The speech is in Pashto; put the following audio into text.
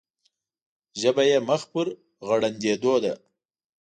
ژبه یې مخ پر غړندېدو ده.